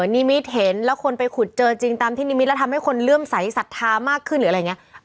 นิมิตเห็นแล้วคนไปขุดเจอจริงตามที่นิมิตแล้วทำให้คนเลื่อมใสสัทธามากขึ้นหรืออะไรอย่างนี้